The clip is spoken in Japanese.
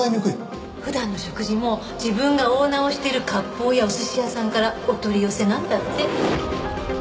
普段の食事も自分がオーナーをしてる割烹やお寿司屋さんからお取り寄せなんだって。